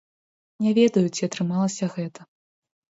Не ведаю, ці атрымалася гэта.